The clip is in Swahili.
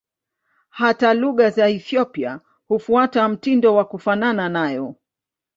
Hata lugha za Ethiopia hufuata mtindo wa kufanana nayo.